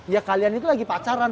ya kalian itu lagi pacaran